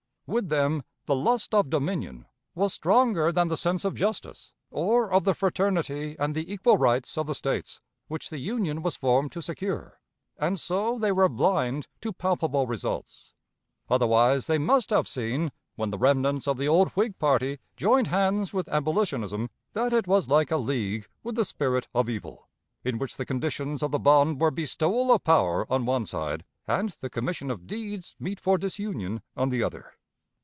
With them the lust of dominion was stronger than the sense of justice or of the fraternity and the equal rights of the States, which the Union was formed to secure, and so they were blind to palpable results. Otherwise they must have seen, when the remnants of the old Whig party joined hands with abolitionism, that it was like a league with the spirit of evil, in which the conditions of the bond were bestowal of power on one side, and the commission of deeds meet for disunion on the other.